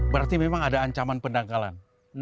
berarti memang ada ancaman pendangkalan